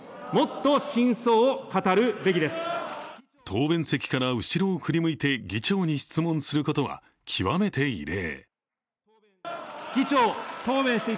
答弁席から後ろを振り向いて、議長に質問することは極めて異例。